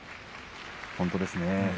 本当ですね。